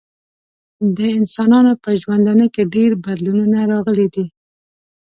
د انسانانو په ژوندانه کې ډیر بدلونونه راغلي دي.